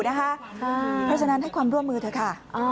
เพราะฉะนั้นให้ความร่วมมือเถอะค่ะ